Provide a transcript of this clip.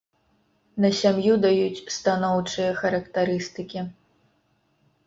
На сям'ю даюць станоўчыя характарыстыкі.